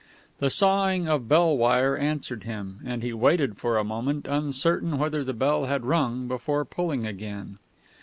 The sawing of bell wire answered him, and he waited for a moment, uncertain whether the bell had rung, before pulling again.